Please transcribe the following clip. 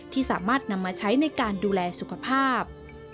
ที่สามารถนำมาใช้ในการดูแลสุขภาพ